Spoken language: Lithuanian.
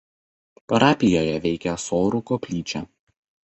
Parapijoje veikia Sorų koplyčia.